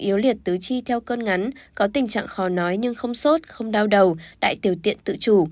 yếu liệt tứ chi theo cơn ngắn có tình trạng khó nói nhưng không sốt không đau đầu đại tiểu tiện tự chủ